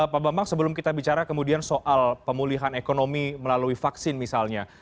pak bambang sebelum kita bicara kemudian soal pemulihan ekonomi melalui vaksin misalnya